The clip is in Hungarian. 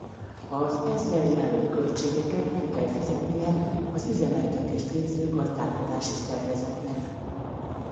Az ezzel járó költségeket meg kell fizetnie az üzemeltetést végző gazdálkodási szervezetnek.